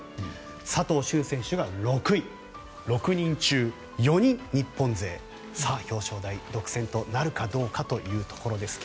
佐藤駿選手が６位６人中４人、日本勢さあ、表彰台独占となるかどうかというところですが。